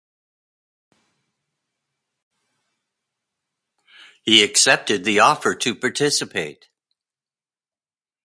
He accepted the offer to participate.